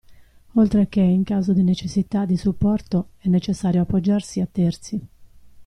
Oltre che, in caso di necessità di supporto, è necessario appoggiarsi a terzi.